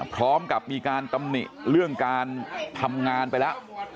พร้อมกับมีการตำหนิเรื่องการทำงานไปแล้ว